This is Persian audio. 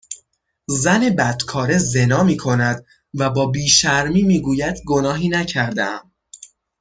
زن بدکاره زنا میکند و با بیشرمی میگوید گناهی نکردهام